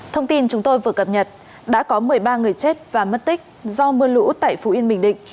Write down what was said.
thông tin chúng tôi vừa cập nhật đã có một mươi ba người chết và mất tích do mưa lũ tại phú yên bình định